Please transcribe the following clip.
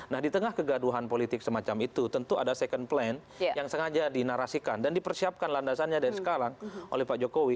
nah di tengah kegaduhan politik semacam itu tentu ada second plan yang sengaja dinarasikan dan dipersiapkan landasannya dari sekarang oleh pak jokowi